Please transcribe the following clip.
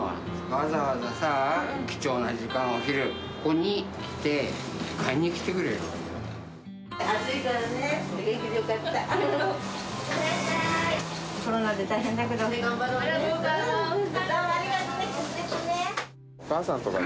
わざわざさぁ、貴重な時間、お昼、ここに来て、買いに来てくれるわけだから。